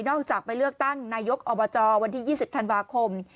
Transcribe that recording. ออกจากไปเลือกตั้งนายกอบจวันที่๒๐ธันวาคม